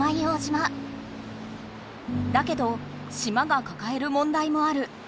だけど島がかかえる問題もある。